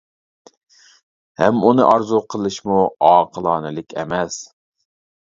ھەم ئۇنى ئارزۇ قىلىشمۇ ئاقىلانىلىك ئەمەس.